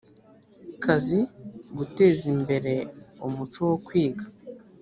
kazi guteza imbere umuco wo kwiga